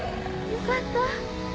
よかった。